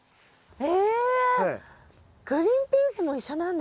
え？